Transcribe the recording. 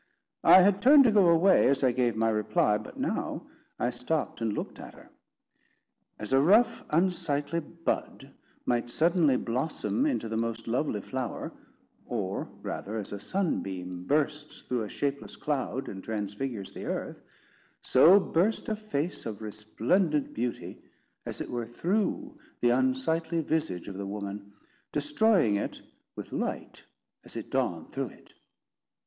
I had turned to go away as I gave my reply, but now I stopped and looked at her. As a rough unsightly bud might suddenly blossom into the most lovely flower; or rather, as a sunbeam bursts through a shapeless cloud, and transfigures the earth; so burst a face of resplendent beauty, as it were through the unsightly visage of the woman, destroying it with light as it dawned through it.